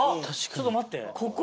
ちょっと待ってここ。